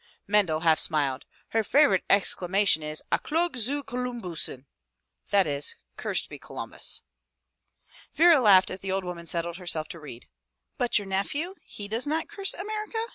Mendel half smiled. "Her favorite exclamation is *A Klog zu ColumhussenV that is, 'Cursed be Columbus!' " Vera laughed as the old woman settled herself to read. "But your nephew, he does not curse America?"